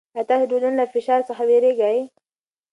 آیا تاسې د ټولنې له فشار څخه وېرېږئ؟